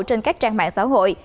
trên các trang mạng xã hội